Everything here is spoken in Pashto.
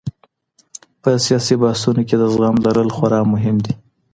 په سياسي بحثونو کي د زغم لرل خورا مهم دي.